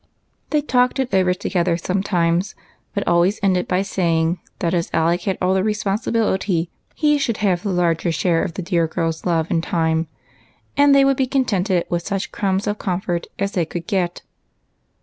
They talked it over together sometimes, but always ended by saying that as Alec had all the responsibility, he should have the larger share of the dear girl's love and time, and they would be contented with such crumbs of comfort as they could get.